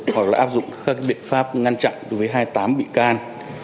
cục lệnh sự đối với hai mươi một bị can tân hoàng minh là bảy bị can